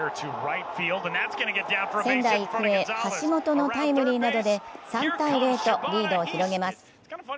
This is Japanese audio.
仙台育英・橋本のタイムリーなどで３−０とリードを広げます。